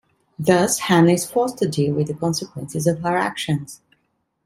Thus, Hannah is forced to deal with the consequences of her actions.